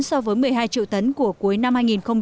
so với một mươi hai triệu tấn của cuối năm hai nghìn một mươi sáu